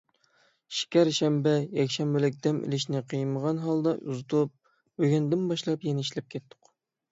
شېكەر شەنبە، يەكشەنبىلىك دەم ئېلىشنى قىيمىغان ھالدا ئۇزىتىپ، بۈگۈندىن باشلاپ يەنە ئىشلەپ كەتتۇق.